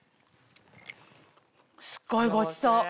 すっごいごちそう。